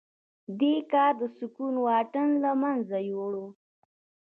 دې کار د سکوت واټن له منځه يووړ.